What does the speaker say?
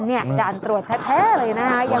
นี่ด่านตรวจแท้เลยนะคะ